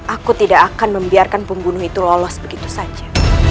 aku tidak akan membiarkan pembunuh itu lolos begitu saja